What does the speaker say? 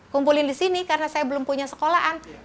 kumpulin di sini karena saya belum punya sekolahan